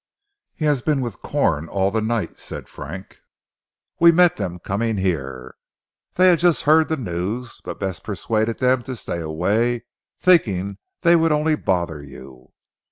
"He has been with Corn all the night," said Frank, "we met them coming here. They had just heard the news, but Bess persuaded them to stay away thinking they would only bother you."